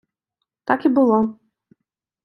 Так і було.